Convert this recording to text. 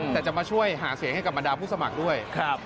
แต่จะมาช่วยหาเสียงให้กับบรรดาผู้สมัครด้วย